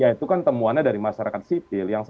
ya itu kan temuannya dari masyarakat sipil